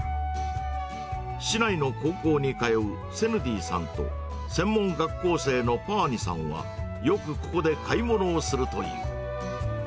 市内の高校に通うセヌディさんと、専門学校生のパワニさんは、よくここで買い物をするという。